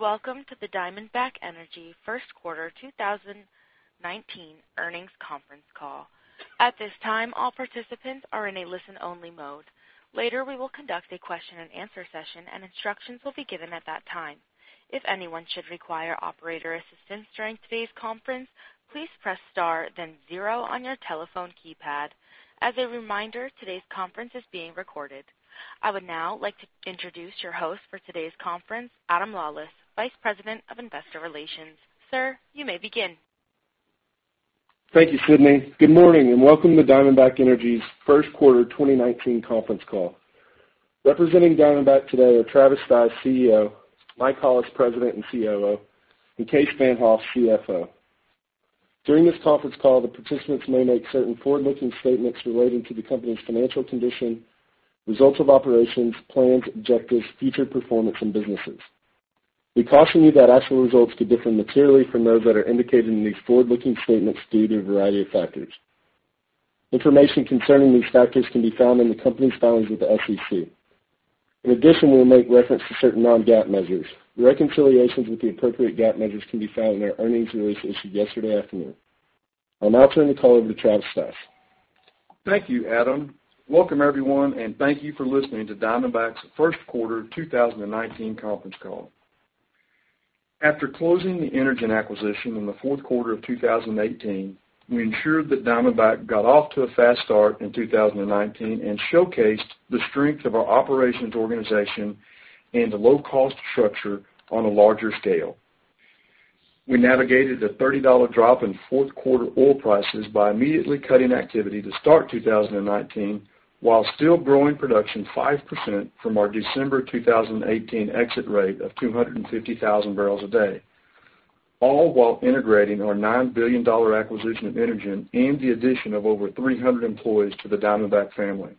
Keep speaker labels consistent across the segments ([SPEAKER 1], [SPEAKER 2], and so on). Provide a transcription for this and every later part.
[SPEAKER 1] Welcome to the Diamondback Energy first quarter 2019 earnings conference call. At this time, all participants are in a listen-only mode. Later, we will conduct a question and answer session, and instructions will be given at that time. If anyone should require operator assistance during today's conference, please press star then zero on your telephone keypad. As a reminder, today's conference is being recorded. I would now like to introduce your host for today's conference, Adam Lawlis, Vice President of Investor Relations. Sir, you may begin.
[SPEAKER 2] Thank you, Sydney. Good morning and welcome to Diamondback Energy's first quarter 2019 conference call. Representing Diamondback today are Travis Stice, CEO, Michael Hollis, President and COO, and Kaes Van't Hof, CFO. During this conference call, the participants may make certain forward-looking statements relating to the company's financial condition, results of operations, plans, objectives, future performance, and businesses. We caution you that actual results could differ materially from those that are indicated in these forward-looking statements due to a variety of factors. Information concerning these factors can be found in the company's filings with the SEC. In addition, we'll make reference to certain non-GAAP measures. Reconciliations with the appropriate GAAP measures can be found in our earnings release issued yesterday afternoon. I'll now turn the call over to Travis Stice.
[SPEAKER 3] Thank you, Adam. Welcome everyone, and thank you for listening to Diamondback's first quarter 2019 conference call. After closing the Energen acquisition in the fourth quarter of 2018, we ensured that Diamondback got off to a fast start in 2019 and showcased the strength of our operations organization and low-cost structure on a larger scale. We navigated a $30 drop in fourth-quarter oil prices by immediately cutting activity to start 2019 while still growing production 5% from our December 2018 exit rate of 250,000 barrels a day, all while integrating our $9 billion acquisition of Energen and the addition of over 300 employees to the Diamondback family.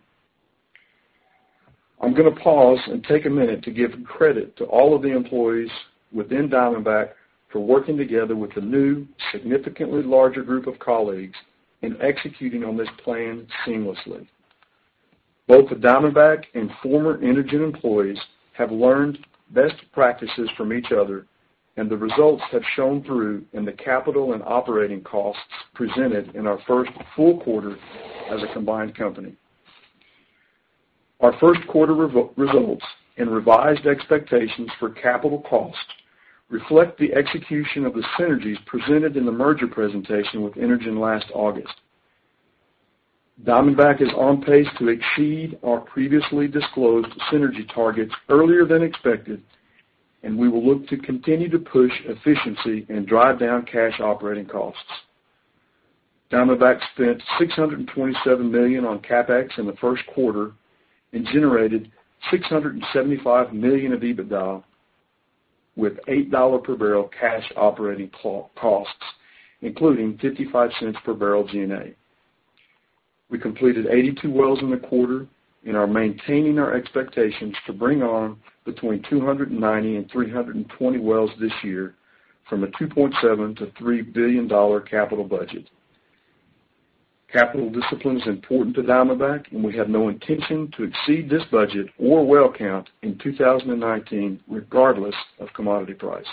[SPEAKER 3] I'm going to pause and take a minute to give credit to all of the employees within Diamondback for working together with the new, significantly larger group of colleagues in executing on this plan seamlessly. Both the Diamondback and former Energen employees have learned best practices from each other. The results have shown through in the capital and operating costs presented in our first full quarter as a combined company. Our first quarter results and revised expectations for capital costs reflect the execution of the synergies presented in the merger presentation with Energen last August. Diamondback is on pace to exceed our previously disclosed synergy targets earlier than expected. We will look to continue to push efficiency and drive down cash operating costs. Diamondback spent $627 million on CapEx in the first quarter and generated $675 million of EBITDA with $8 per barrel cash operating costs, including $0.55 per barrel G&A. We completed 82 wells in the quarter and are maintaining our expectations to bring on between 290 and 320 wells this year from a $2.7 billion-$3 billion capital budget. Capital discipline is important to Diamondback, and we have no intention to exceed this budget or well count in 2019, regardless of commodity price.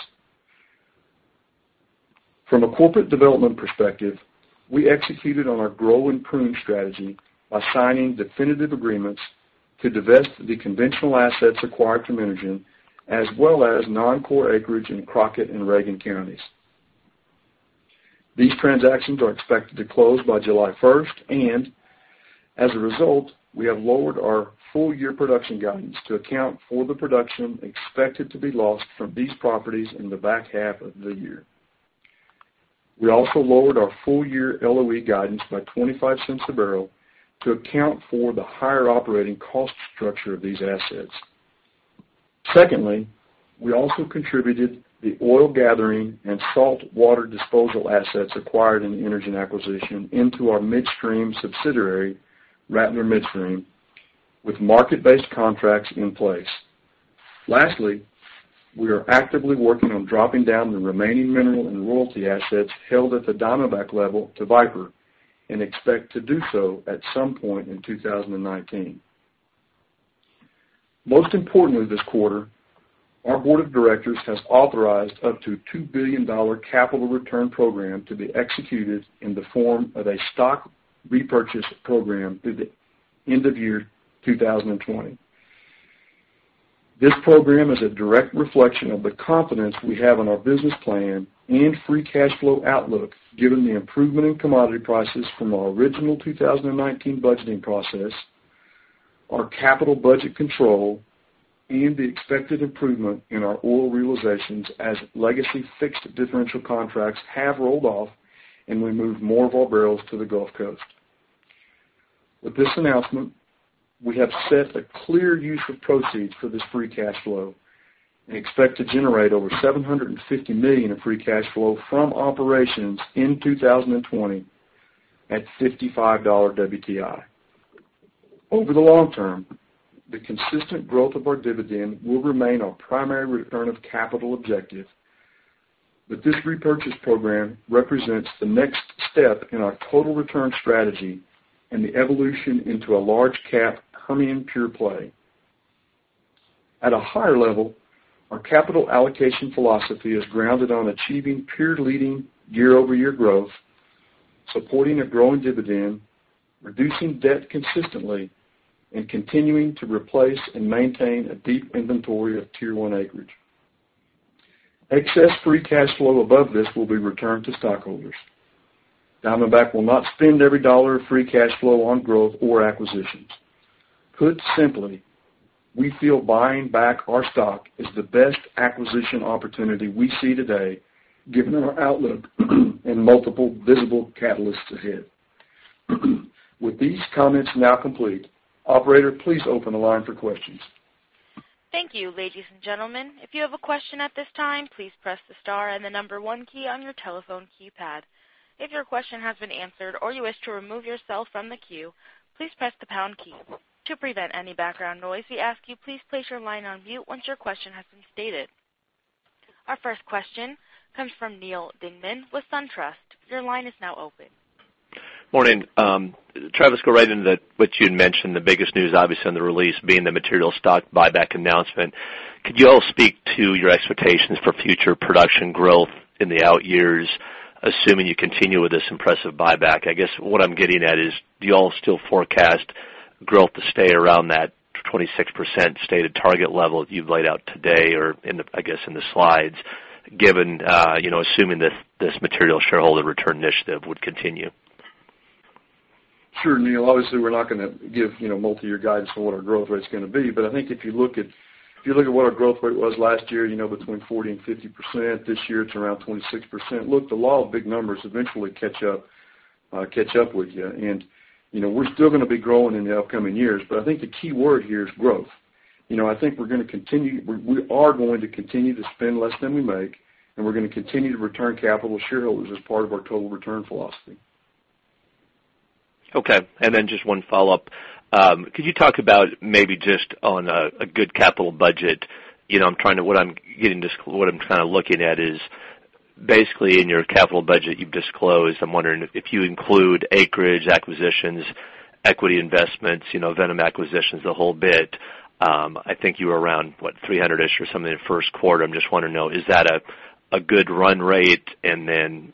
[SPEAKER 3] From a corporate development perspective, we executed on our grow and prune strategy by signing definitive agreements to divest the conventional assets acquired from Energen, as well as non-core acreage in Crockett and Reagan counties. These transactions are expected to close by July 1st, and as a result, we have lowered our full-year production guidance to account for the production expected to be lost from these properties in the back half of the year. We also lowered our full-year LOE guidance by $0.25 a barrel to account for the higher operating cost structure of these assets. Secondly, we also contributed the oil gathering and saltwater disposal assets acquired in the Energen acquisition into our midstream subsidiary, Rattler Midstream, with market-based contracts in place. Lastly, we are actively working on dropping down the remaining mineral and royalty assets held at the Diamondback level to Viper and expect to do so at some point in 2019. Most importantly, this quarter, our board of directors has authorized up to a $2 billion capital return program to be executed in the form of a stock repurchase program through the end of year 2020. This program is a direct reflection of the confidence we have in our business plan and free cash flow outlook, given the improvement in commodity prices from our original 2019 budgeting process, our capital budget control, and the expected improvement in our oil realizations as legacy fixed differential contracts have rolled off and we move more of our barrels to the Gulf Coast. With this announcement, we have set a clear use of proceeds for this free cash flow and expect to generate over $750 million of free cash flow from operations in 2020 at $55 WTI. Over the long term, the consistent growth of our dividend will remain our primary return of capital objective. This repurchase program represents the next step in our total return strategy and the evolution into a large cap, humming pure play. At a higher level, our capital allocation philosophy is grounded on achieving peer leading year-over-year growth, supporting a growing dividend, reducing debt consistently, and continuing to replace and maintain a deep inventory of Tier 1 acreage. Excess free cash flow above this will be returned to stockholders. Diamondback will not spend every dollar of free cash flow on growth or acquisitions. Put simply, we feel buying back our stock is the best acquisition opportunity we see today given our outlook and multiple visible catalysts ahead. With these comments now complete, operator, please open the line for questions.
[SPEAKER 1] Thank you, ladies and gentlemen. If you have a question at this time, please press the star and the 1 key on your telephone keypad. If your question has been answered or you wish to remove yourself from the queue, please press the pound key. To prevent any background noise, we ask you please place your line on mute once your question has been stated. Our first question comes from Neal Dingmann with SunTrust. Your line is now open.
[SPEAKER 4] Morning. Travis, go right into what you'd mentioned, the biggest news obviously on the release being the material stock buyback announcement. Could you all speak to your expectations for future production growth in the out years, assuming you continue with this impressive buyback? I guess what I'm getting at is, do you all still forecast growth to stay around that 26% stated target level you've laid out today, or I guess in the slides, assuming that this material shareholder return initiative would continue?
[SPEAKER 3] Sure, Neal. Obviously, we're not going to give multi-year guidance on what our growth rate's going to be. I think if you look at what our growth rate was last year, between 40%-50%, this year it's around 26%. Look, the law of big numbers eventually catch up with you. We're still going to be growing in the upcoming years. I think the key word here is growth. I think we are going to continue to spend less than we make, and we're going to continue to return capital to shareholders as part of our total return philosophy.
[SPEAKER 4] Okay. Then just one follow-up. Could you talk about maybe just on a good capital budget? What I'm trying to looking at is basically in your capital budget you've disclosed, I'm wondering if you include acreage acquisitions, equity investments, Viper acquisitions, the whole bit. I think you were around, what, $300-ish or something in the first quarter. I'm just wanting to know, is that a good run rate? Then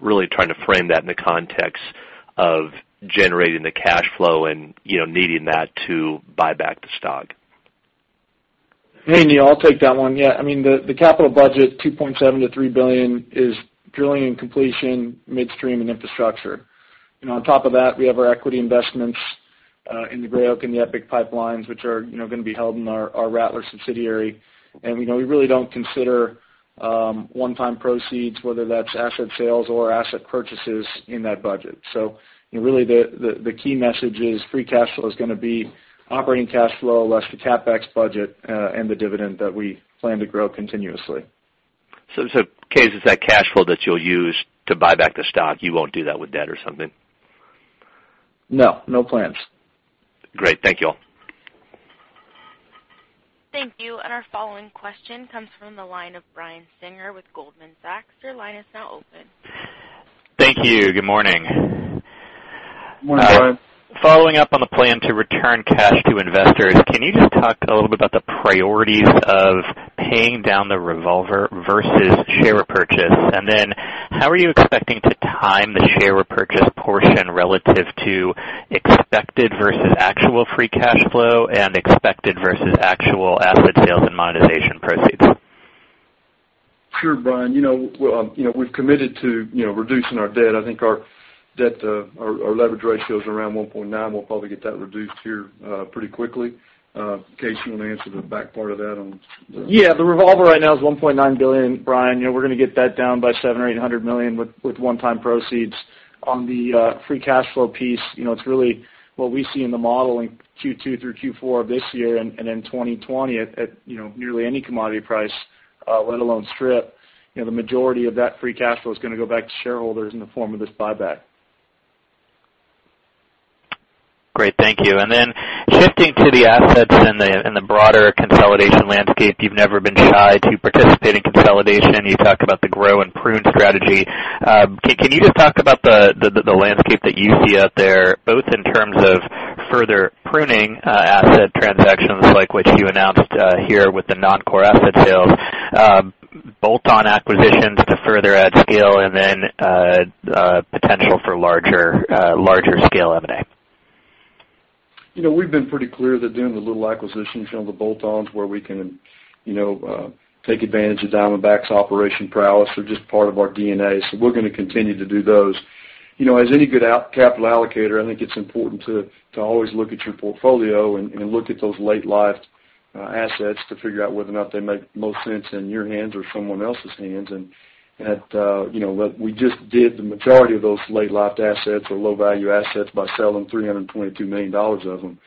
[SPEAKER 4] really trying to frame that in the context of generating the cash flow and needing that to buy back the stock.
[SPEAKER 5] Hey, Neal, I'll take that one. Yeah, the capital budget, $2.7 billion-$3 billion is drilling and completion, midstream, and infrastructure. On top of that, we have our equity investments in the Gray Oak and the EPIC pipelines, which are going to be held in our Rattler subsidiary. We really don't consider one-time proceeds, whether that's asset sales or asset purchases, in that budget. Really the key message is free cash flow is going to be operating cash flow less the CapEx budget and the dividend that we plan to grow continuously.
[SPEAKER 4] Kaes, is that cash flow that you'll use to buy back the stock? You won't do that with debt or something?
[SPEAKER 5] No. No plans.
[SPEAKER 4] Great. Thank you all.
[SPEAKER 1] Thank you. Our following question comes from the line of Brian Singer with Goldman Sachs. Your line is now open.
[SPEAKER 6] Thank you. Good morning.
[SPEAKER 3] Morning, Brian.
[SPEAKER 6] Following up on the plan to return cash to investors, can you just talk a little bit about the priorities of paying down the revolver versus share repurchase? Then how are you expecting to time the share repurchase portion relative to expected versus actual free cash flow and expected versus actual asset sales and monetization proceeds?
[SPEAKER 3] Sure, Brian. We've committed to reducing our debt. I think our leverage ratio is around 1.9. We'll probably get that reduced here pretty quickly. Kaes, you want to answer the back part of that on the-
[SPEAKER 5] Yeah, the revolver right now is $1.9 billion, Brian. We're going to get that down by $700 million or $800 million with one-time proceeds. On the free cash flow piece, it's really what we see in the modeling Q2 through Q4 of this year and in 2020 at nearly any commodity price, let alone strip. The majority of that free cash flow is going to go back to shareholders in the form of this buyback.
[SPEAKER 6] Great. Thank you. Then shifting to the assets and the broader consolidation landscape, you've never been shy to participate in consolidation. You talked about the grow and prune strategy. Can you just talk about the landscape that you see out there, both in terms of further pruning asset transactions like which you announced here with the non-core asset sales, bolt-on acquisitions to further add scale, and potential for larger scale M&A?
[SPEAKER 3] We've been pretty clear that doing the little acquisitions, the bolt-ons where we can take advantage of Diamondback's operation prowess are just part of our DNA. We're going to continue to do those. As any good capital allocator, I think it's important to always look at your portfolio and look at those late life assets to figure out whether or not they make most sense in your hands or someone else's hands. We just did the majority of those late life assets or low value assets by selling $322 million of them.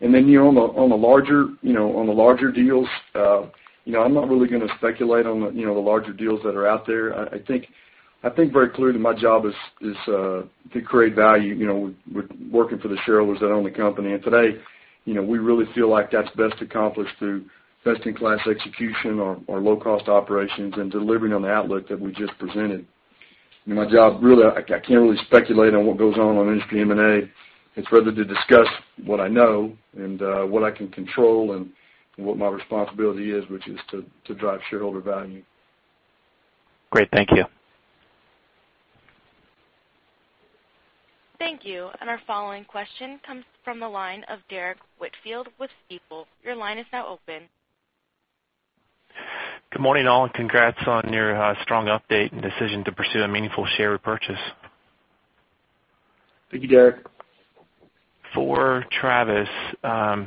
[SPEAKER 3] Neal, on the larger deals I'm not really going to speculate on the larger deals that are out there. I think very clearly my job is to create value. We're working for the shareholders that own the company. Today, we really feel like that's best accomplished through best in class execution, our low cost operations, and delivering on the outlook that we just presented. My job really, I can't really speculate on what goes on in industry M&A. It's rather to discuss what I know and what I can control and what my responsibility is, which is to drive shareholder value.
[SPEAKER 6] Great. Thank you.
[SPEAKER 1] Thank you. Our following question comes from the line of Derrick Whitfield with Stifel. Your line is now open.
[SPEAKER 7] Good morning, all. Congrats on your strong update and decision to pursue a meaningful share repurchase.
[SPEAKER 3] Thank you, Derrick.
[SPEAKER 7] For Travis,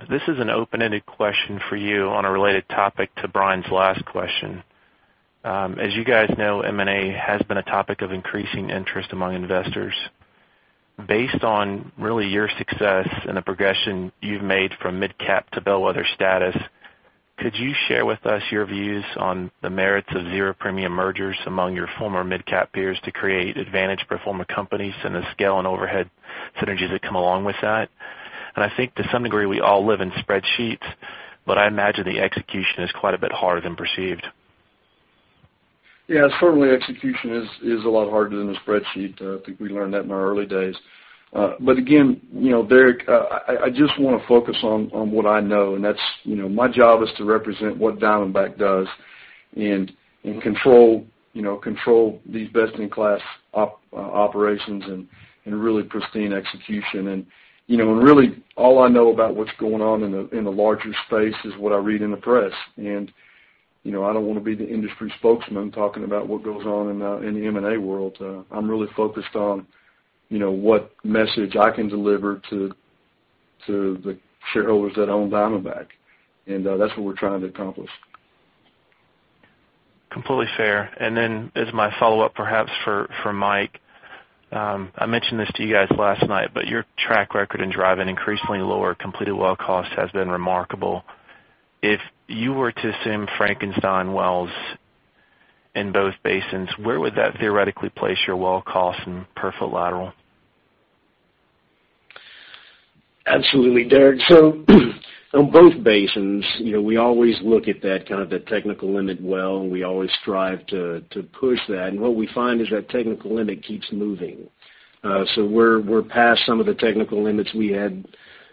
[SPEAKER 7] this is an open-ended question for you on a related topic to Brian's last question. As you guys know, M&A has been a topic of increasing interest among investors. Based on really your success and the progression you've made from mid-cap to bellwether status, could you share with us your views on the merits of zero-premium mergers among your former mid-cap peers to create advantage performer companies and the scale and overhead synergies that come along with that? I think to some degree, we all live in spreadsheets, but I imagine the execution is quite a bit harder than perceived.
[SPEAKER 3] Yeah, certainly execution is a lot harder than a spreadsheet. I think we learned that in our early days. Again, Derrick, I just want to focus on what I know, and my job is to represent what Diamondback does and control these best-in-class operations and really pristine execution. Really, all I know about what's going on in the larger space is what I read in the press, and I don't want to be the industry spokesman talking about what goes on in the M&A world. I'm really focused on what message I can deliver to the shareholders that own Diamondback, and that's what we're trying to accomplish.
[SPEAKER 7] Completely fair. Then as my follow-up perhaps for Mike, I mentioned this to you guys last night, but your track record in driving increasingly lower completed well costs has been remarkable. If you were to assume Frankenstein wells in both basins, where would that theoretically place your well cost in per foot lateral?
[SPEAKER 8] Absolutely, Derrick. On both basins, we always look at that technical limit well, and we always strive to push that. What we find is that technical limit keeps moving. We're past some of the technical limits we had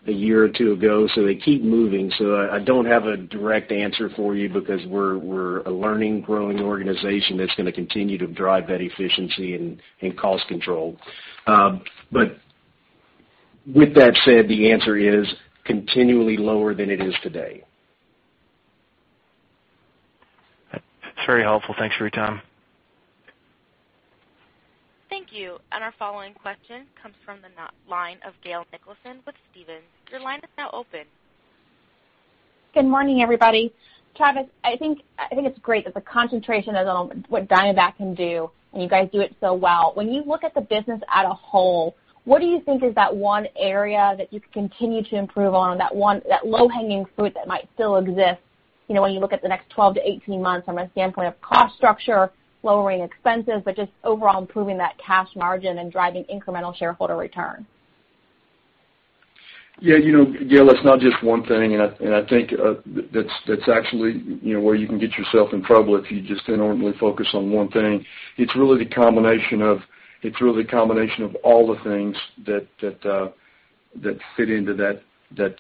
[SPEAKER 8] a year or two ago. They keep moving, so I don't have a direct answer for you because we're a learning, growing organization that's going to continue to drive that efficiency and cost control. With that said, the answer is continually lower than it is today.
[SPEAKER 7] That's very helpful. Thanks for your time.
[SPEAKER 1] Thank you. Our following question comes from the line of Gail Nicholson with Stephens. Your line is now open.
[SPEAKER 9] Good morning, everybody. Travis, I think it's great that the concentration is on what Diamondback can do, and you guys do it so well. When you look at the business at a whole, what do you think is that one area that you could continue to improve on, that low-hanging fruit that might still exist when you look at the next 12 to 18 months from a standpoint of cost structure, lowering expenses, but just overall improving that cash margin and driving incremental shareholder return?
[SPEAKER 3] Gail, it's not just one thing. I think that's actually where you can get yourself in trouble if you just enormously focus on one thing. It's really the combination of all the things that fit into that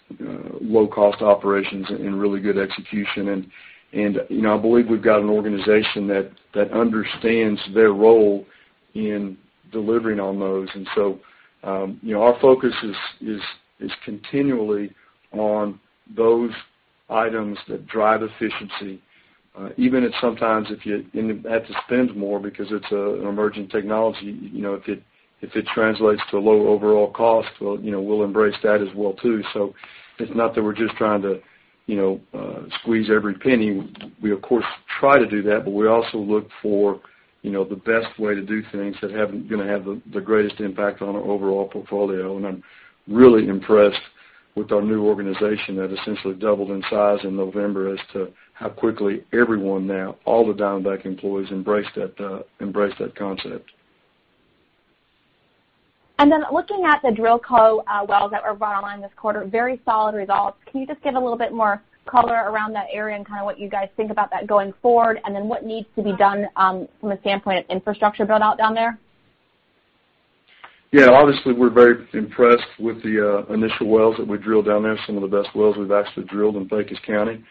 [SPEAKER 3] low-cost operations and really good execution. I believe we've got an organization that understands their role in delivering on those. Our focus is continually on those items that drive efficiency. Even at some times if you have to spend more because it's an emerging technology, if it translates to low overall cost, we'll embrace that as well too. It's not that we're just trying to squeeze every penny. We of course try to do that, but we also look for the best way to do things that are going to have the greatest impact on our overall portfolio. I'm really impressed with our new organization that essentially doubled in size in November as to how quickly everyone now, all the Diamondback employees embrace that concept.
[SPEAKER 9] Looking at the DrillCo wells that were brought online this quarter, very solid results. Can you just give a little bit more color around that area and what you guys think about that going forward? What needs to be done from a standpoint of infrastructure build out down there?
[SPEAKER 3] Yeah, obviously, we're very impressed with the initial wells that we drilled down there, some of the best wells we've actually drilled in Pecos County.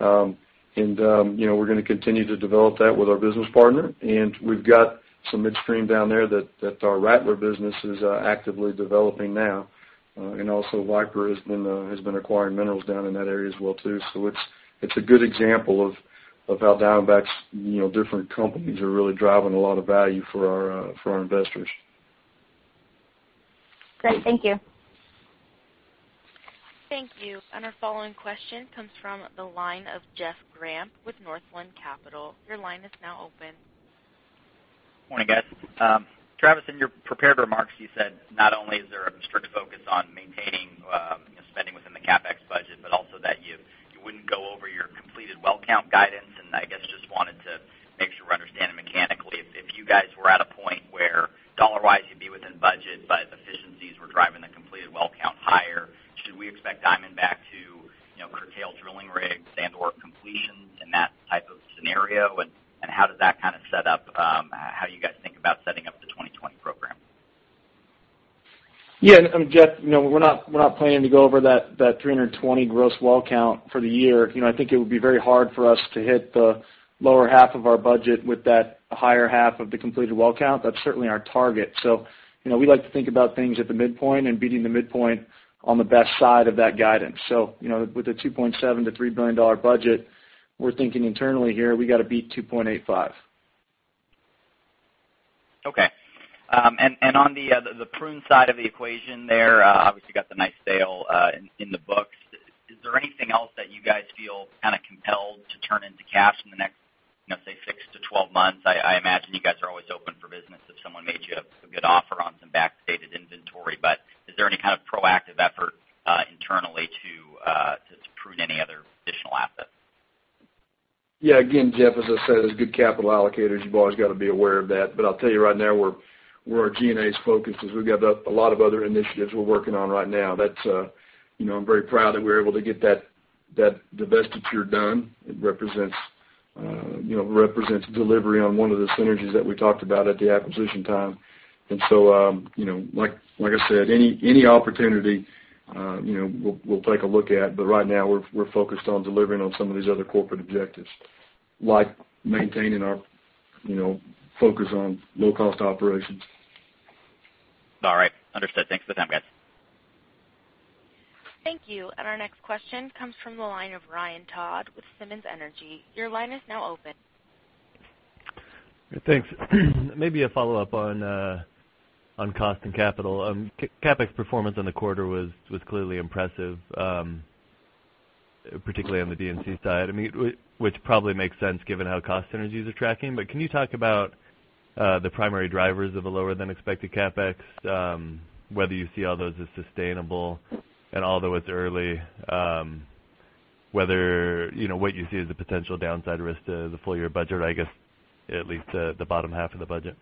[SPEAKER 3] We're going to continue to develop that with our business partner, and we've got some midstream down there that our Rattler business is actively developing now. Viper has been acquiring minerals down in that area as well too. It's a good example of how Diamondback's different companies are really driving a lot of value for our investors.
[SPEAKER 9] Great. Thank you.
[SPEAKER 1] Thank you. Our following question comes from the line of Jeff Graham with Northland Capital. Your line is now open.
[SPEAKER 10] scenario, how does that set up how you guys think about setting up the 2020 program?
[SPEAKER 5] Jeff, we're not planning to go over that 320 gross well count for the year. I think it would be very hard for us to hit the lower half of our budget with that higher half of the completed well count. That's certainly our target. We like to think about things at the midpoint and beating the midpoint on the best side of that guidance. With a $2.7 billion to $3 billion budget, we're thinking internally here, we've got to beat $2.85.
[SPEAKER 10] On the prune side of the equation there, obviously, you got the nice sale in the books. Is there anything else that you guys feel compelled to turn into cash in the next, say, six to 12 months? I imagine you guys are always open for business if someone made you a good offer on some backdated inventory. Is there any kind of proactive effort internally to prune any other additional assets?
[SPEAKER 3] Again, Jeff, as I said, as good capital allocators, you've always got to be aware of that. I'll tell you right now, where our G&A's focused is we've got a lot of other initiatives we're working on right now. I'm very proud that we're able to get that divestiture done. It represents delivery on one of the synergies that we talked about at the acquisition time. Like I said, any opportunity, we'll take a look at, right now, we're focused on delivering on some of these other corporate objectives, like maintaining our focus on low-cost operations.
[SPEAKER 10] Understood. Thanks for the time, guys.
[SPEAKER 1] Thank you. Our next question comes from the line of Ryan Todd with Simmons Energy. Your line is now open.
[SPEAKER 11] Thanks. Maybe a follow-up on cost and capital. CapEx performance on the quarter was clearly impressive, particularly on the D&C side. Which probably makes sense given how cost synergies are tracking. Can you talk about the primary drivers of a lower than expected CapEx, whether you see all those as sustainable, and although it's early, what you see as the potential downside risk to the full year budget, I guess, at least the bottom half of the budget?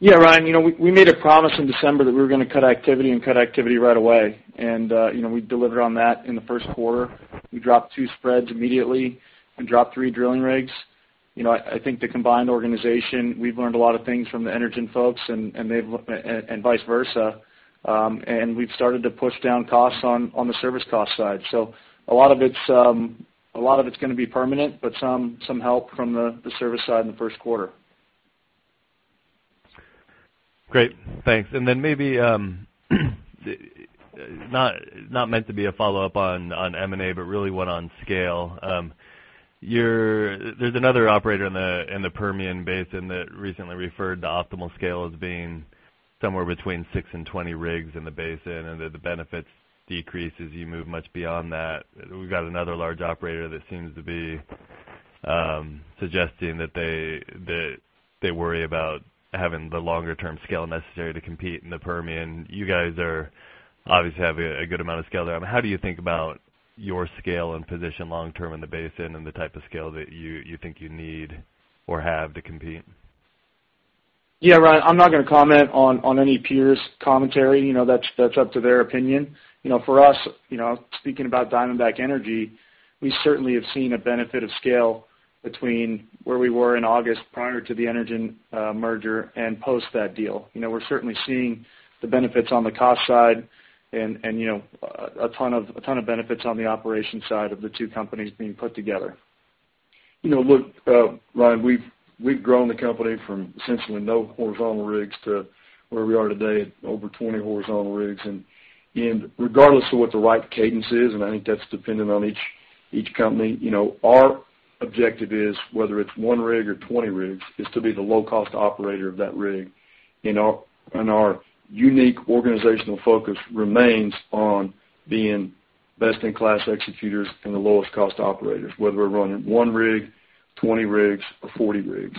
[SPEAKER 5] Yeah, Ryan, we made a promise in December that we were going to cut activity and cut activity right away. We delivered on that in the first quarter. We dropped two spreads immediately and dropped three drilling rigs. I think the combined organization, we've learned a lot of things from the Energen folks and vice versa. We've started to push down costs on the service cost side. A lot of it's going to be permanent, but some help from the service side in the first quarter.
[SPEAKER 11] Great. Thanks. Then maybe, not meant to be a follow-up on M&A, but really one on scale. There's another operator in the Permian Basin that recently referred to optimal scale as being somewhere between six and 20 rigs in the basin, and that the benefits decrease as you move much beyond that. We've got another large operator that seems to be suggesting that they worry about having the longer-term scale necessary to compete in the Permian. You guys obviously have a good amount of scale there. How do you think about your scale and position long term in the basin, and the type of scale that you think you need or have to compete?
[SPEAKER 5] Yeah, Ryan, I'm not going to comment on any peer's commentary. That's up to their opinion. For us, speaking about Diamondback Energy, we certainly have seen a benefit of scale between where we were in August prior to the Energen merger and post that deal. We're certainly seeing the benefits on the cost side and a ton of benefits on the operations side of the two companies being put together.
[SPEAKER 3] Look, Ryan, we've grown the company from essentially no horizontal rigs to where we are today at over 20 horizontal rigs. Regardless of what the right cadence is, and I think that's dependent on each company, our objective is, whether it's one rig or 20 rigs, is to be the low-cost operator of that rig. Our unique organizational focus remains on being best-in-class executors and the lowest cost operators, whether we're running one rig, 20 rigs, or 40 rigs.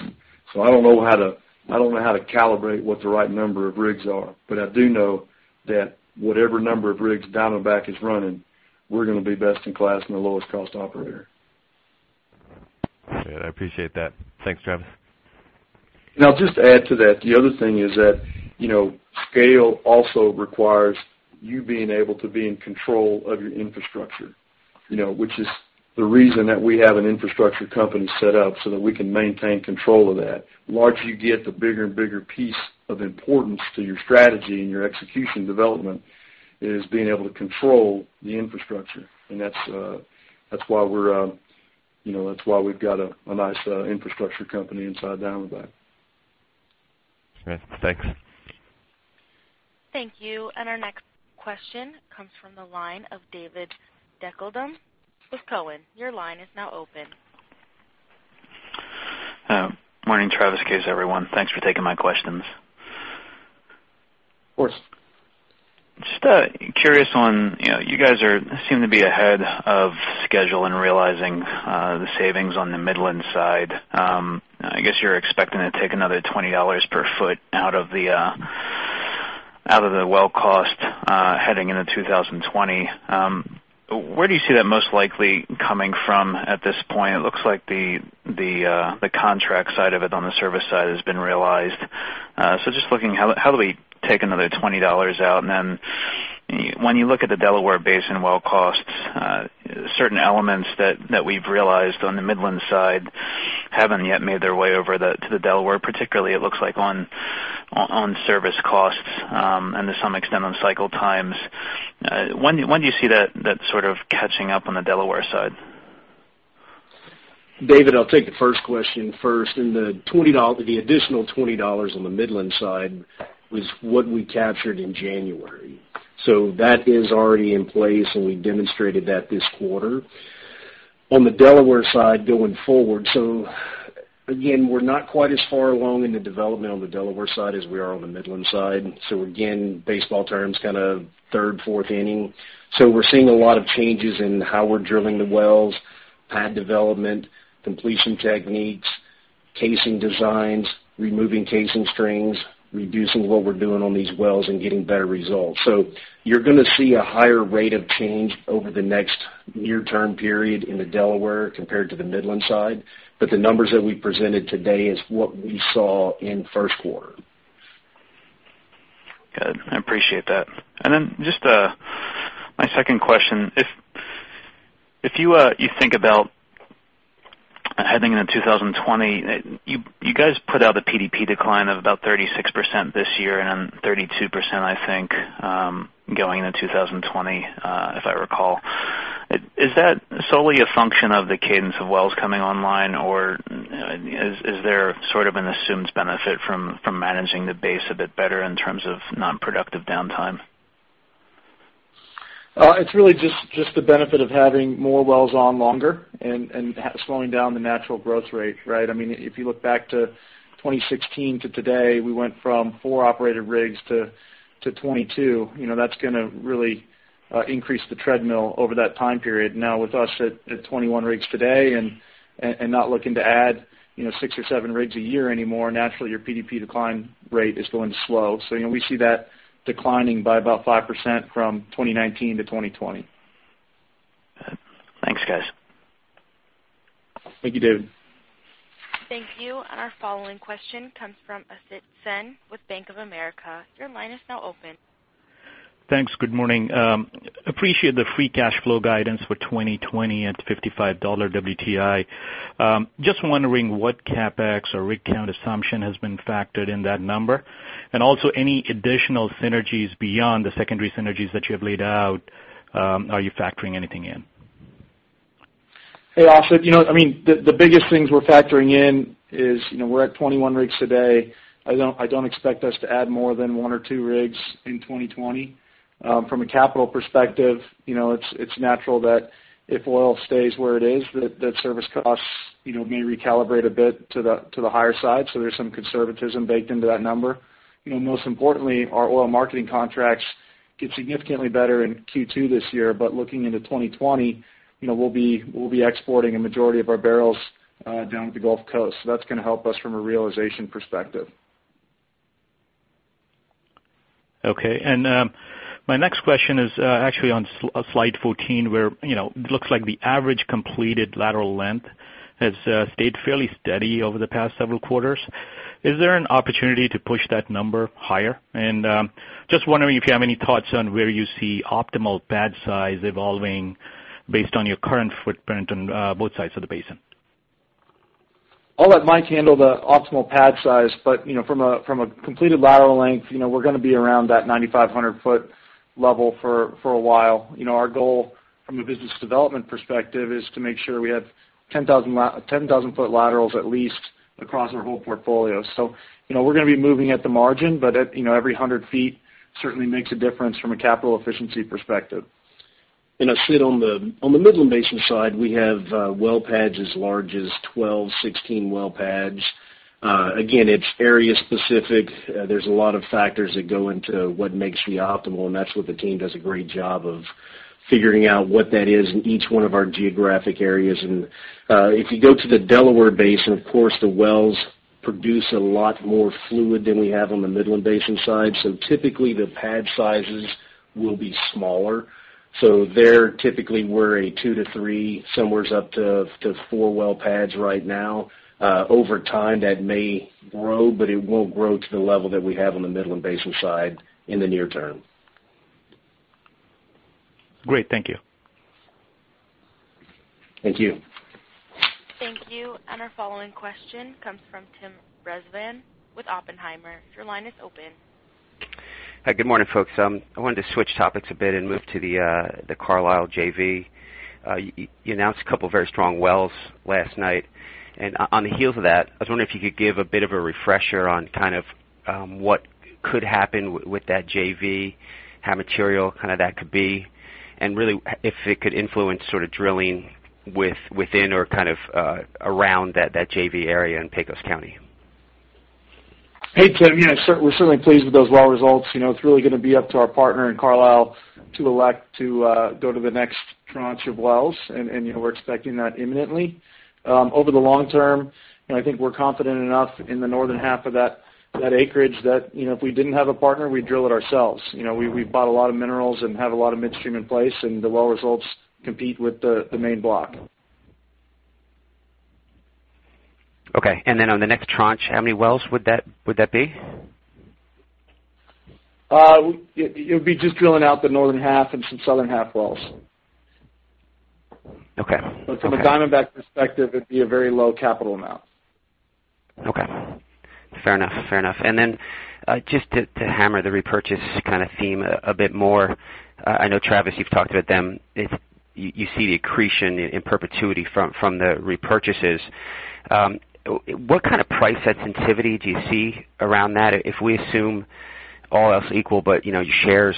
[SPEAKER 3] I don't know how to calibrate what the right number of rigs are, but I do know that whatever number of rigs Diamondback is running, we're going to be best in class and the lowest cost operator.
[SPEAKER 11] I appreciate that. Thanks, Travis.
[SPEAKER 3] I'll just add to that. The other thing is that scale also requires you being able to be in control of your infrastructure, which is the reason that we have an infrastructure company set up, so that we can maintain control of that. The larger you get, the bigger and bigger piece of importance to your strategy and your execution development is being able to control the infrastructure. That's why we've got a nice infrastructure company inside Diamondback.
[SPEAKER 11] Right. Thanks.
[SPEAKER 1] Thank you. Our next question comes from the line of David Deckelbaum with Cowen. Your line is now open.
[SPEAKER 12] Morning, Travis, Kaes, everyone. Thanks for taking my questions.
[SPEAKER 5] Of course.
[SPEAKER 12] Just curious on, you guys seem to be ahead of schedule in realizing the savings on the Midland side. I guess you're expecting to take another $20 per foot out of the well cost heading into 2020. Where do you see that most likely coming from at this point? It looks like the contract side of it on the service side has been realized. Just looking, how do we take another $20 out? When you look at the Delaware Basin well costs, certain elements that we've realized on the Midland side haven't yet made their way over to the Delaware, particularly it looks like on service costs, and to some extent on cycle times. When do you see that sort of catching up on the Delaware side?
[SPEAKER 8] David, I'll take the first question first. The additional $20 on the Midland side was what we captured in January. That is already in place, and we demonstrated that this quarter. On the Delaware side, going forward, again, we're not quite as far along in the development on the Delaware side as we are on the Midland side. Again, baseball terms, kind of third, fourth inning. We're seeing a lot of changes in how we're drilling the wells, pad development, completion techniques, casing designs, removing casing strings, reducing what we're doing on these wells and getting better results. You're going to see a higher rate of change over the next near-term period in the Delaware compared to the Midland side. The numbers that we presented today is what we saw in first quarter.
[SPEAKER 12] Good. I appreciate that. Just my second question, if you think about heading into 2020, you guys put out a PDP decline of about 36% this year and then 32%, I think, going into 2020, if I recall. Is that solely a function of the cadence of wells coming online, or is there sort of an assumed benefit from managing the base a bit better in terms of non-productive downtime?
[SPEAKER 5] It's really just the benefit of having more wells on longer and slowing down the natural growth rate, right? If you look back to 2016 to today, we went from four operated rigs to 22. That's going to really increase the treadmill over that time period. Now, with us at 21 rigs today and not looking to add six or seven rigs a year anymore, naturally, your PDP decline rate is going to slow. We see that declining by about 5% from 2019 to 2020.
[SPEAKER 12] Thanks, guys.
[SPEAKER 5] Thank you, David.
[SPEAKER 1] Thank you. Our following question comes from Asit Sen with Bank of America. Your line is now open.
[SPEAKER 13] Thanks. Good morning. Appreciate the free cash flow guidance for 2020 at $55 WTI. Just wondering what CapEx or rig count assumption has been factored in that number. Also any additional synergies beyond the secondary synergies that you have laid out. Are you factoring anything in?
[SPEAKER 5] Hey, Asit. The biggest things we're factoring in is we're at 21 rigs today. I don't expect us to add more than one or two rigs in 2020. From a capital perspective, it's natural that if oil stays where it is, that service costs may recalibrate a bit to the higher side. There's some conservatism baked into that number. Most importantly, our oil marketing contracts get significantly better in Q2 this year, but looking into 2020, we'll be exporting a majority of our barrels down at the Gulf Coast. That's going to help us from a realization perspective.
[SPEAKER 13] Okay. My next question is actually on slide 14, where it looks like the average completed lateral length has stayed fairly steady over the past several quarters. Is there an opportunity to push that number higher? Just wondering if you have any thoughts on where you see optimal pad size evolving based on your current footprint on both sides of the basin.
[SPEAKER 5] I'll let Mike handle the optimal pad size, but from a completed lateral length, we're going to be around that 9,500-foot level for a while. Our goal from a business development perspective is to make sure we have 10,000-foot laterals at least across our whole portfolio. We're going to be moving at the margin, but every 100 feet certainly makes a difference from a capital efficiency perspective.
[SPEAKER 8] Asit, on the Midland Basin side, we have well pads as large as 12, 16 well pads. Again, it's area specific. There's a lot of factors that go into what makes the optimal, and that's what the team does a great job of figuring out what that is in each one of our geographic areas. If you go to the Delaware Basin, of course, the wells produce a lot more fluid than we have on the Midland Basin side. Typically, the pad sizes will be smaller. There, typically, we're a two to three, somewheres up to four well pads right now. Over time, that may grow, but it won't grow to the level that we have on the Midland Basin side in the near term.
[SPEAKER 13] Great. Thank you.
[SPEAKER 5] Thank you.
[SPEAKER 1] Thank you. Our following question comes from Tim Rezvan with Oppenheimer. Your line is open.
[SPEAKER 14] Hi. Good morning, folks. I wanted to switch topics a bit and move to The Carlyle JV. You announced a couple of very strong wells last night. On the heels of that, I was wondering if you could give a bit of a refresher on what could happen with that JV, how material that could be, and really if it could influence sort of drilling within or kind of around that JV area in Pecos County.
[SPEAKER 5] Hey, Tim. We're certainly pleased with those well results. It's really going to be up to our partner in Carlyle to elect to go to the next tranche of wells. We're expecting that imminently. Over the long term, I think we're confident enough in the northern half of that acreage that if we didn't have a partner, we'd drill it ourselves. We've bought a lot of minerals and have a lot of midstream in place. The well results compete with the main block.
[SPEAKER 14] Okay, on the next tranche, how many wells would that be?
[SPEAKER 5] You'd be just drilling out the northern half and some southern half wells.
[SPEAKER 14] Okay.
[SPEAKER 5] From a Diamondback perspective, it'd be a very low capital amount.
[SPEAKER 14] Okay. Fair enough. Just to hammer the repurchase theme a bit more. I know, Travis, you've talked about them. You see the accretion in perpetuity from the repurchases. What kind of price sensitivity do you see around that? If we assume all else equal, but your shares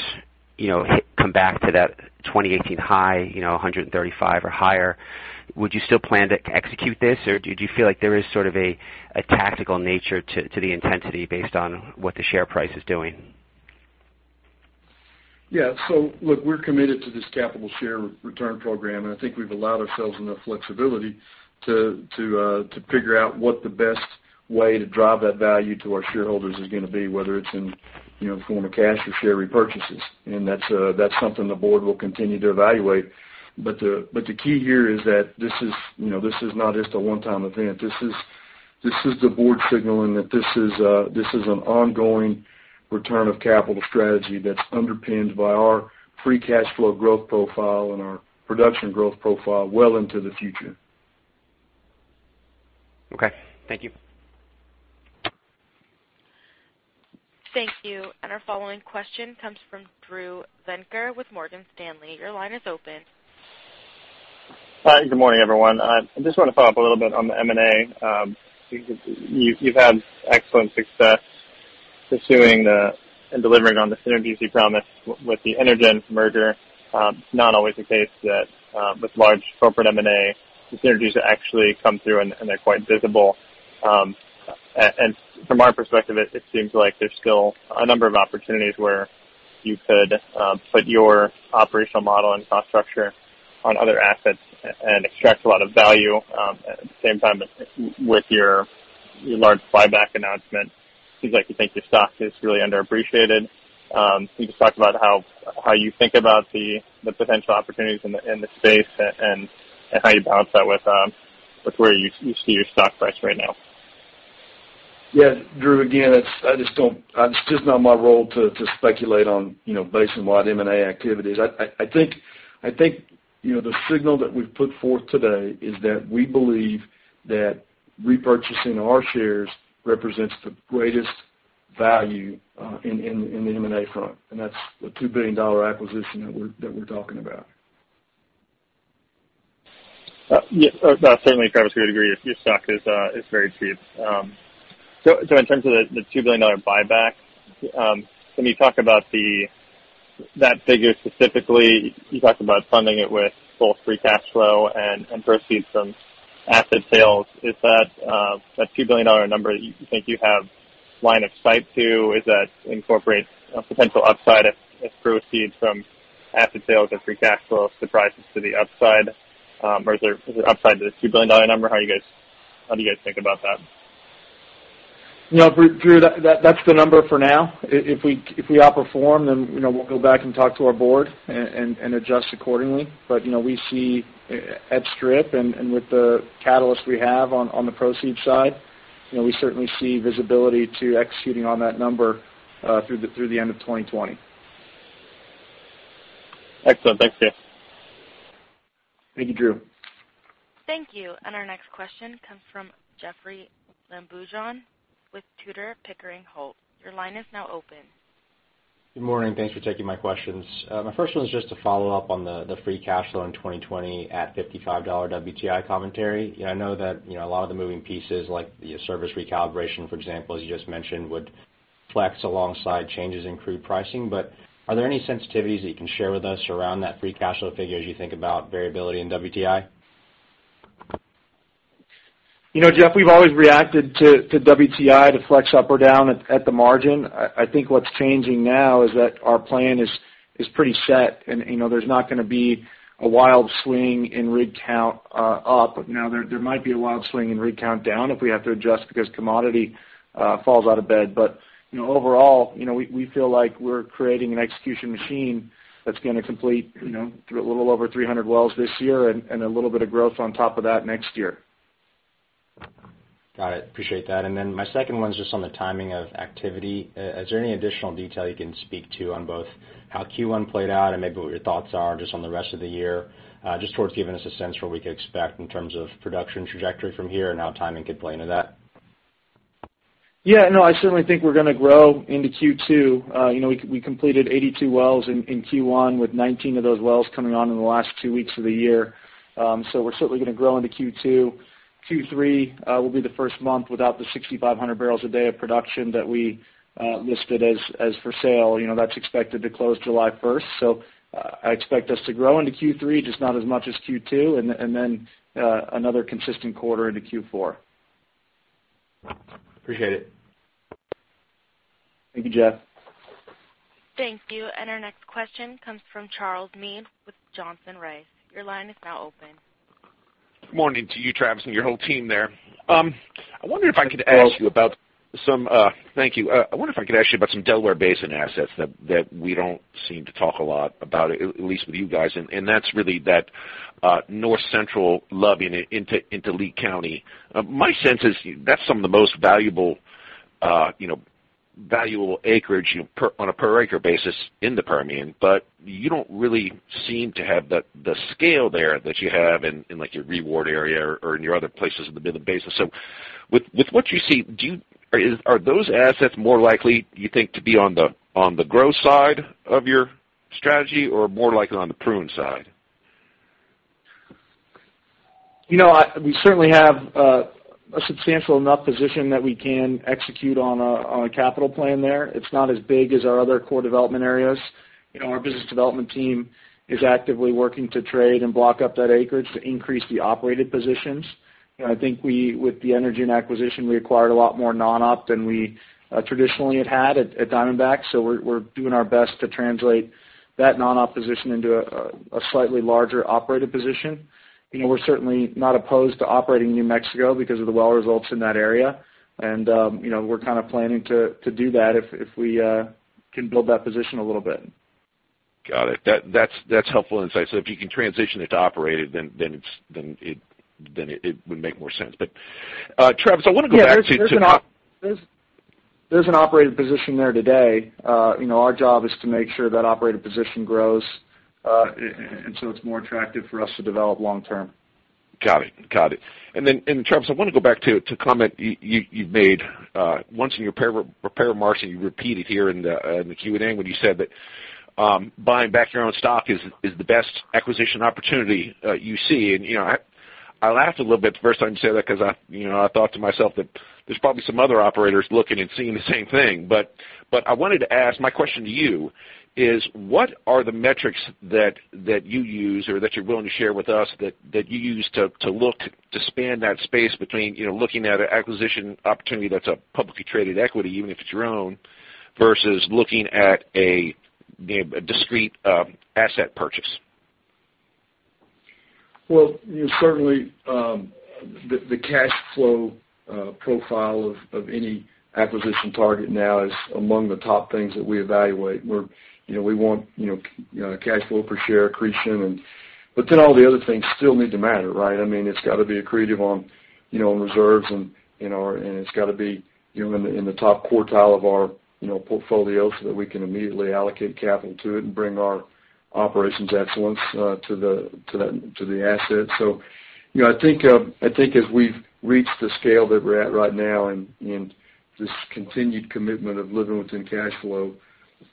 [SPEAKER 14] come back to that 2018 high, 135 or higher, would you still plan to execute this? Or do you feel like there is sort of a tactical nature to the intensity based on what the share price is doing?
[SPEAKER 5] Yeah. Look, we're committed to this capital share return program, and I think we've allowed ourselves enough flexibility to figure out what the best way to drive that value to our shareholders is going to be, whether it's in the form of cash or share repurchases. That's something the board will continue to evaluate. The key here is that this is not just a one-time event. This is the board signaling that this is an ongoing return of capital strategy that's underpinned by our free cash flow growth profile and our production growth profile well into the future.
[SPEAKER 14] Okay. Thank you.
[SPEAKER 1] Thank you. Our following question comes from Drew Venker with Morgan Stanley. Your line is open.
[SPEAKER 15] Hi. Good morning, everyone. I just want to follow up a little bit on the M&A. You've had excellent success pursuing and delivering on the synergies you promised with the Energen merger. It's not always the case that with large corporate M&A, the synergies actually come through, and they're quite visible. From our perspective, it seems like there's still a number of opportunities where you could put your operational model and cost structure on other assets and extract a lot of value. At the same time, with your large buyback announcement, seems like you think your stock is really underappreciated. Can you just talk about how you think about the potential opportunities in the space and how you balance that with where you see your stock price right now?
[SPEAKER 5] Yeah. Drew, again, it's just not my role to speculate on basin wide M&A activities. I think the signal that we've put forth today is that we believe that repurchasing our shares represents the greatest value in the M&A front, that's the $2 billion acquisition that we're talking about.
[SPEAKER 15] Yeah. Certainly, Travis, we would agree, your stock is very cheap. In terms of the $2 billion buyback, when you talk about that figure specifically, you talked about funding it with both free cash flow and proceeds from asset sales. Is that $2 billion number that you think you have line of sight to, is that incorporates a potential upside if proceeds from asset sales or free cash flow surprises to the upside? Or is there upside to the $2 billion number? How do you guys think about that?
[SPEAKER 5] Drew, that's the number for now. If we outperform, we'll go back and talk to our board and adjust accordingly. We see at Strip and with the catalyst we have on the proceeds side, we certainly see visibility to executing on that number through the end of 2020.
[SPEAKER 15] Excellent. Thanks.
[SPEAKER 5] Thank you, Drew.
[SPEAKER 1] Thank you. Our next question comes from Jeoffrey Lambujon with Tudor, Pickering Holt. Your line is now open.
[SPEAKER 16] Good morning. Thanks for taking my questions. My first one is just to follow up on the free cash flow in 2020 at $55 WTI commentary. I know that a lot of the moving pieces, like the service recalibration, for example, as you just mentioned, would flex alongside changes in crude pricing, are there any sensitivities that you can share with us around that free cash flow figure as you think about variability in WTI?
[SPEAKER 5] Jeoff, we've always reacted to WTI to flex up or down at the margin. What's changing now is that our plan is pretty set, there's not going to be a wild swing in rig count up. There might be a wild swing in rig count down if we have to adjust because commodity falls out of bed. Overall, we feel like we're creating an execution machine that's going to complete through a little over 300 wells this year and a little bit of growth on top of that next year.
[SPEAKER 16] Got it. Appreciate that. My second one's just on the timing of activity. Is there any additional detail you can speak to on both how Q1 played out and maybe what your thoughts are just on the rest of the year? Just towards giving us a sense for what we could expect in terms of production trajectory from here and how timing could play into that.
[SPEAKER 5] I certainly think we're going to grow into Q2. We completed 82 wells in Q1, with 19 of those wells coming on in the last two weeks of the year. We're certainly going to grow into Q2. Q3 will be the first month without the 6,500 barrels a day of production that we listed as for sale. That's expected to close July 1st. I expect us to grow into Q3, just not as much as Q2, another consistent quarter into Q4.
[SPEAKER 16] Appreciate it.
[SPEAKER 5] Thank you, Jeoff.
[SPEAKER 1] Thank you. Our next question comes from Charles Meade with Johnson Rice. Your line is now open.
[SPEAKER 17] Good morning to you, Travis, and your whole team there. I wonder if I could ask you about Thank you. I wonder if I could ask you about some Delaware Basin assets that we don't seem to talk a lot about, at least with you guys, and that's really that North Central Loving into Lea County. My sense is that's some of the most valuable acreage on a per acre basis in the Permian, but you don't really seem to have the scale there that you have in your ReWard area or in your other places in the Midland Basin. With what you see, are those assets more likely, you think, to be on the growth side of your strategy or more likely on the prune side?
[SPEAKER 5] We certainly have a substantial enough position that we can execute on a capital plan there. It's not as big as our other core development areas. Our business development team is actively working to trade and block up that acreage to increase the operated positions. I think with the Energen acquisition, we acquired a lot more non-op than we traditionally had had at Diamondback. We're doing our best to translate that non-op position into a slightly larger operated position. We're certainly not opposed to operating New Mexico because of the well results in that area. We're kind of planning to do that if we can build that position a little bit.
[SPEAKER 17] Got it. That's helpful insight. If you can transition it to operated, then it would make more sense. Travis, I want to go back to-
[SPEAKER 5] There's an operated position there today. Our job is to make sure that operated position grows, it's more attractive for us to develop long term.
[SPEAKER 17] Got it. Travis, I want to go back to a comment you made once in your prepared remarks, you repeated here in the Q&A when you said that buying back your own stock is the best acquisition opportunity you see. I laughed a little bit the first time you said that because I thought to myself that there's probably some other operators looking and seeing the same thing. I wanted to ask, my question to you is what are the metrics that you use, or that you're willing to share with us, that you use to look to span that space between looking at an acquisition opportunity that's a publicly traded equity, even if it's your own, versus looking at a discrete asset purchase?
[SPEAKER 3] Certainly the cash flow profile of any acquisition target now is among the top things that we evaluate. We want cash flow per share accretion, all the other things still need to matter, right? It's got to be accretive on reserves and it's got to be in the top quartile of our portfolio so that we can immediately allocate capital to it and bring our operations excellence to the asset. I think as we've reached the scale that we're at right now and this continued commitment of living within cash flow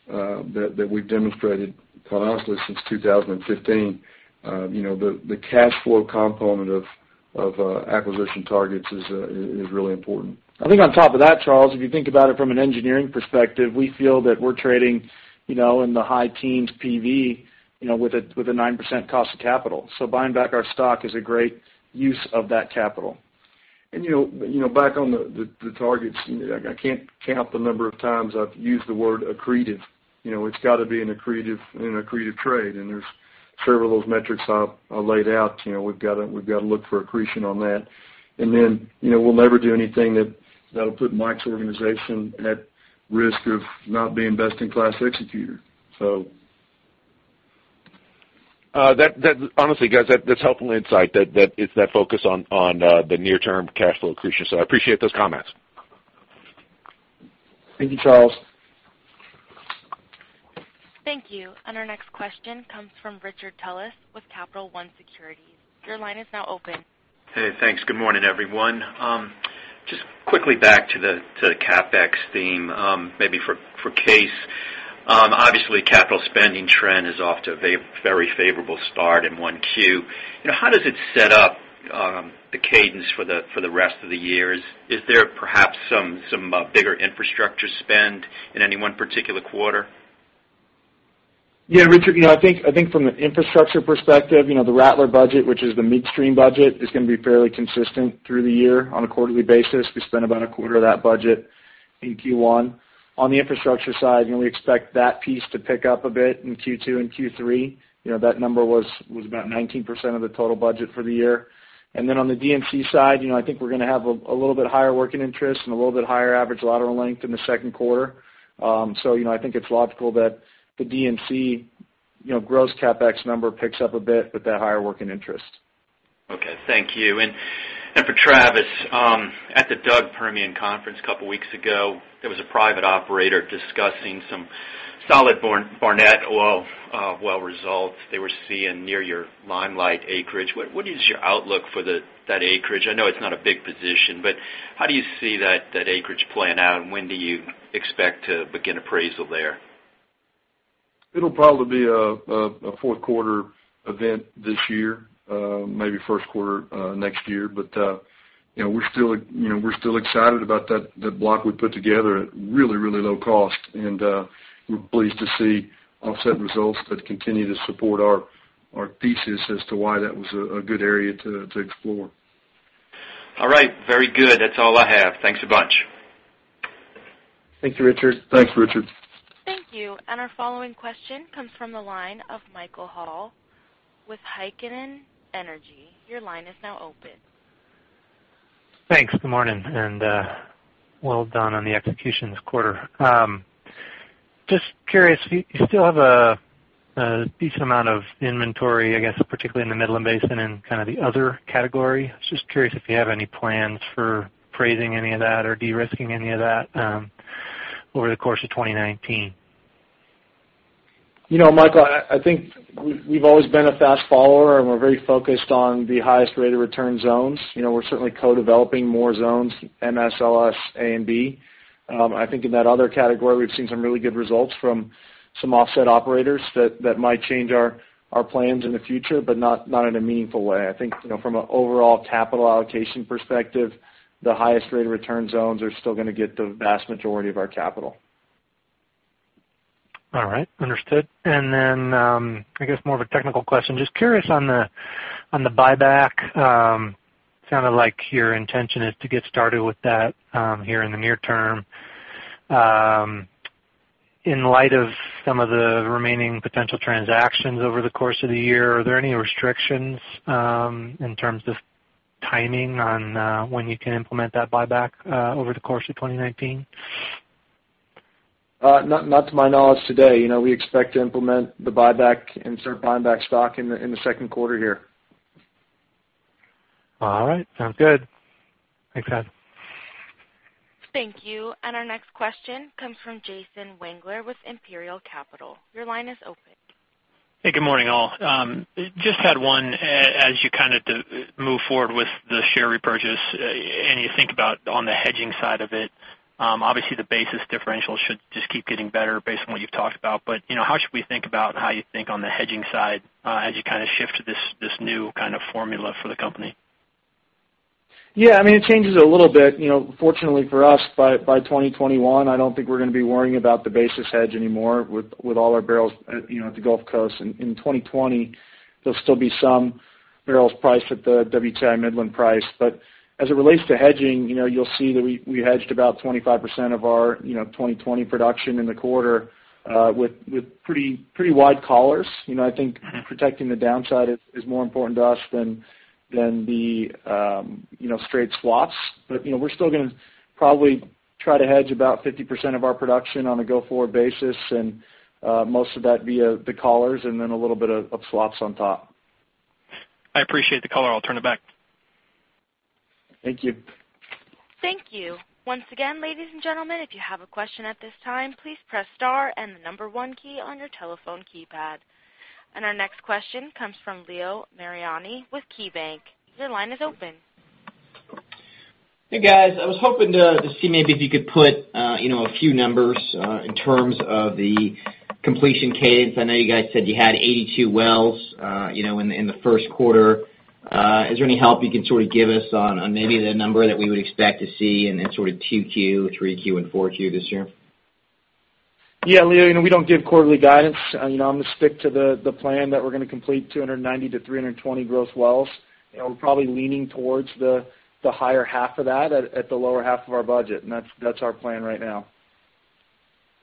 [SPEAKER 3] that we've demonstrated honestly since 2015, the cash flow component of acquisition targets is really important.
[SPEAKER 5] I think on top of that, Charles, if you think about it from an engineering perspective, we feel that we're trading in the high teens PV with a 9% cost of capital. Buying back our stock is a great use of that capital.
[SPEAKER 3] Back on the targets, I can't count the number of times I've used the word accretive. It's got to be an accretive trade, there's several of those metrics I laid out. We've got to look for accretion on that. Then, we'll never do anything that'll put Mike's organization at risk of not being best in class executor.
[SPEAKER 17] Honestly, guys, that's helpful insight, that it's that focus on the near term cash flow accretion. I appreciate those comments.
[SPEAKER 5] Thank you, Charles.
[SPEAKER 1] Thank you. Our next question comes from Richard Tullis with Capital One Securities. Your line is now open.
[SPEAKER 18] Hey, thanks. Good morning, everyone. Just quickly back to the CapEx theme, maybe for Kaes. Obviously, capital spending trend is off to a very favorable start in 1Q. How does it set up the cadence for the rest of the year? Is there perhaps some bigger infrastructure spend in any one particular quarter?
[SPEAKER 5] Yeah, Richard, I think from an infrastructure perspective, the Rattler budget, which is the midstream budget, is going to be fairly consistent through the year on a quarterly basis. We spent about a quarter of that budget in Q1. On the infrastructure side, we expect that piece to pick up a bit in Q2 and Q3. That number was about 19% of the total budget for the year. Then on the D&C side, I think we're going to have a little bit higher working interest and a little bit higher average lateral length in the second quarter. I think it's logical that the D&C gross CapEx number picks up a bit with that higher working interest.
[SPEAKER 18] Okay, thank you. For Travis, at the DUG Permian conference a couple of weeks ago, there was a private operator discussing some solid Barnett Oil well results they were seeing near your Limelight acreage. What is your outlook for that acreage? I know it's not a big position, how do you see that acreage playing out, and when do you expect to begin appraisal there?
[SPEAKER 3] It'll probably be a fourth quarter event this year, maybe first quarter next year. We're still excited about that block we put together at really low cost, and we're pleased to see offset results that continue to support our thesis as to why that was a good area to explore.
[SPEAKER 18] All right, very good. That's all I have. Thanks a bunch.
[SPEAKER 5] Thank you, Richard.
[SPEAKER 3] Thanks, Richard.
[SPEAKER 1] Thank you. Our following question comes from the line of Michael Hall with Heikkinen Energy. Your line is now open.
[SPEAKER 19] Thanks. Good morning, and well done on the execution this quarter. Just curious, you still have a decent amount of inventory, I guess, particularly in the Midland Basin and kind of the other category. Just curious if you have any plans for appraising any of that or de-risking any of that over the course of 2019.
[SPEAKER 5] Michael, I think we've always been a fast follower, and we're very focused on the highest rate of return zones. We're certainly co-developing more zones, MSLS A and B. I think in that other category, we've seen some really good results from some offset operators that might change our plans in the future, but not in a meaningful way. I think from an overall capital allocation perspective, the highest rate of return zones are still going to get the vast majority of our capital.
[SPEAKER 19] Understood. I guess more of a technical question. Just curious on the buyback. Sounded like your intention is to get started with that here in the near term. In light of some of the remaining potential transactions over the course of the year, are there any restrictions in terms of timing on when you can implement that buyback over the course of 2019?
[SPEAKER 5] Not to my knowledge today. We expect to implement the buyback and start buying back stock in the second quarter here.
[SPEAKER 19] All right. Sounds good. Thanks, Kaes.
[SPEAKER 1] Thank you. Our next question comes from Jason Wangler with Imperial Capital. Your line is open.
[SPEAKER 20] Hey, good morning, all. Just had one. As you move forward with the share repurchase, and you think about on the hedging side of it, obviously the basis differential should just keep getting better based on what you've talked about. How should we think about how you think on the hedging side as you shift to this new formula for the company?
[SPEAKER 5] Yeah, it changes a little bit. Fortunately for us, by 2021, I don't think we're going to be worrying about the basis hedge anymore with all our barrels at the Gulf Coast. In 2020, there'll still be some barrels priced at the WTI Midland price. As it relates to hedging, you'll see that we hedged about 25% of our 2020 production in the quarter with pretty wide collars. I think protecting the downside is more important to us than the straight swaps. We're still going to probably try to hedge about 50% of our production on a go-forward basis, and most of that via the collars, and then a little bit of swaps on top.
[SPEAKER 20] I appreciate the color. I'll turn it back.
[SPEAKER 5] Thank you.
[SPEAKER 1] Thank you. Once again, ladies and gentlemen, if you have a question at this time, please press star and the number 1 key on your telephone keypad. Our next question comes from Leo Mariani with KeyBanc. Your line is open.
[SPEAKER 21] Hey, guys. I was hoping to see maybe if you could put a few numbers in terms of the completion cadence. I know you guys said you had 82 wells in the first quarter. Is there any help you can sort of give us on maybe the number that we would expect to see in sort of 2Q, 3Q, and 4Q this year?
[SPEAKER 5] Yeah, Leo, we don't give quarterly guidance. I'm going to stick to the plan that we're going to complete 290-320 gross wells. We're probably leaning towards the higher half of that at the lower half of our budget, that's our plan right now.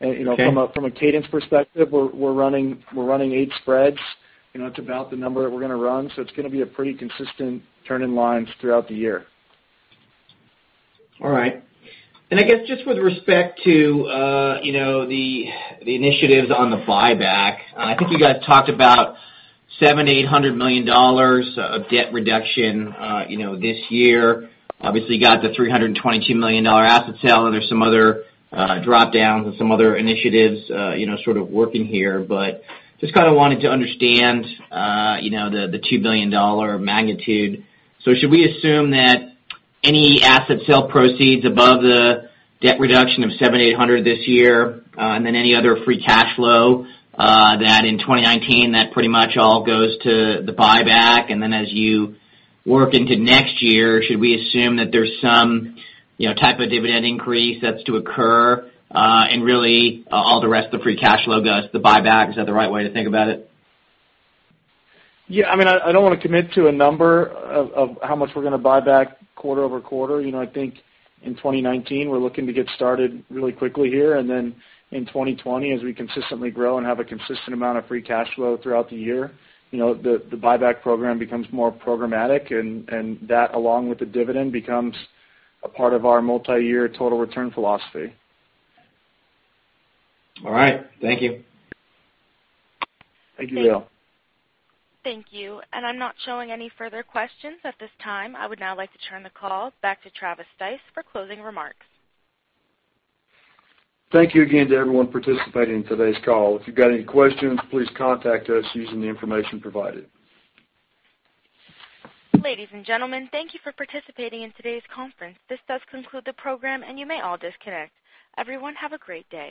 [SPEAKER 21] Okay.
[SPEAKER 5] From a cadence perspective, we're running eight spreads. It's about the number that we're going to run, it's going to be a pretty consistent turn in lines throughout the year.
[SPEAKER 21] All right. I guess just with respect to the initiatives on the buyback, I think you guys talked about $700 million-$800 million of debt reduction this year. Obviously, you got the $322 million asset sale, and there's some other drop-downs and some other initiatives sort of working here. Just kind of wanted to understand the $2 billion magnitude. Should we assume that any asset sale proceeds above the debt reduction of $700 or $800 this year, and then any other free cash flow, that in 2019, that pretty much all goes to the buyback? As you work into next year, should we assume that there's some type of dividend increase that's to occur, and really all the rest of the free cash flow goes to buyback? Is that the right way to think about it?
[SPEAKER 5] Yeah. I don't want to commit to a number of how much we're going to buy back quarter over quarter. I think in 2019, we're looking to get started really quickly here. In 2020, as we consistently grow and have a consistent amount of free cash flow throughout the year, the buyback program becomes more programmatic, and that along with the dividend, becomes a part of our multi-year total return philosophy.
[SPEAKER 21] All right. Thank you.
[SPEAKER 5] Thank you, Leo.
[SPEAKER 1] Thank you. I'm not showing any further questions at this time. I would now like to turn the call back to Travis Stice for closing remarks.
[SPEAKER 3] Thank you again to everyone participating in today's call. If you've got any questions, please contact us using the information provided.
[SPEAKER 1] Ladies and gentlemen, thank you for participating in today's conference. This does conclude the program, you may all disconnect. Everyone, have a great day.